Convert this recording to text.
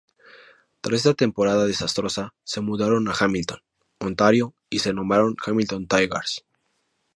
Tras esta temporada desastrosa, se mudaron a Hamilton, Ontario y se renombraron Hamilton Tigers.